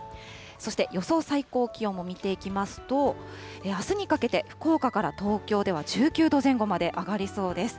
そして、予想最高気温を見ていきますと、あすにかけて福岡から東京では１９度前後まで上がりそうです。